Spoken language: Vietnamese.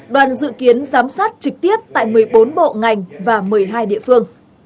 đoàn dự kiến giám sát trực tiếp tại một mươi bốn bộ ngành và một mươi hai địa phương